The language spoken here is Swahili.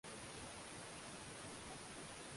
Juzi nililala